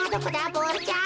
ボールちゃん。